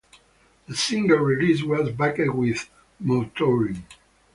The single release was backed with "Motoring".